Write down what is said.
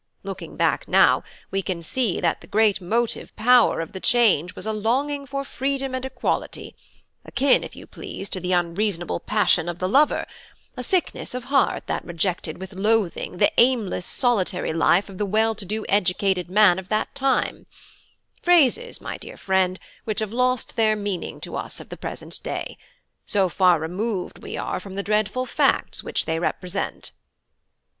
Looking back now, we can see that the great motive power of the change was a longing for freedom and equality, akin if you please to the unreasonable passion of the lover; a sickness of heart that rejected with loathing the aimless solitary life of the well to do educated man of that time: phrases, my dear friend, which have lost their meaning to us of the present day; so far removed we are from the dreadful facts which they represent.